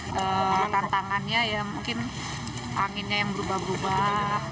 nah tantangannya ya mungkin anginnya yang berubah berubah